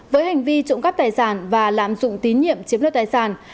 với hành vi trộm cắp tài sản và lạm dụng tín nhiệm chiếm đoạt tài sản